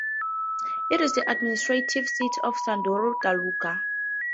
It is the administrative seat of Sanduru taluka.